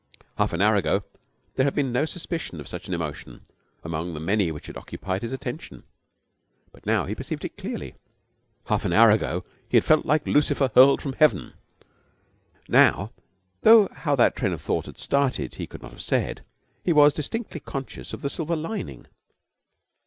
Half an hour ago there had been no suspicion of such an emotion among the many which had occupied his attention, but now he perceived it clearly. Half an hour ago he had felt like Lucifer hurled from heaven. Now, though how that train of thought had started he could not have said, he was distinctly conscious of the silver lining.